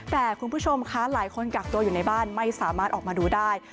แต่คุณผู้ชมคะหลายคนกักตัวอยู่ในบ้านไม่สามารถออกมาดูได้